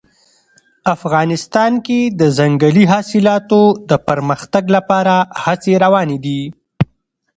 افغانستان کې د ځنګلي حاصلاتو د پرمختګ لپاره هڅې روانې دي.